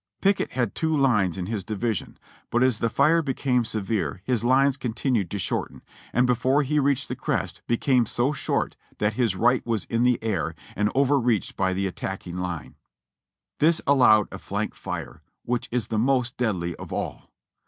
Pickett had two lines in his division, but as the fire became severe his lines continued to shorten, and before he reached the crest became so short that his right was in the air, and over reached by the attacking line. This allowed a flank fire, which is the most deadly of all.